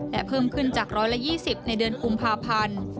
และเพิ่มขึ้นจาก๑๒๐ในเดือนกุมภาพันธ์